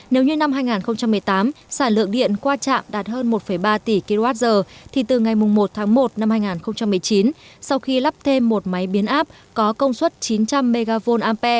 nếu như năm hai nghìn một mươi tám sản lượng điện qua trạm đạt hơn một ba tỷ kwh thì từ ngày một tháng một năm hai nghìn một mươi chín sau khi lắp thêm một máy biến áp có công suất chín trăm linh mva